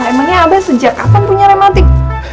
emangnya abah sejak kapan punya reumatik